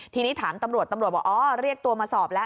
ทีนี้ถามตำรวจตำรวจบอกอ๋อเรียกตัวมาสอบแล้ว